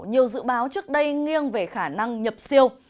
nhiều dự báo trước đây nghiêng về khả năng nhập siêu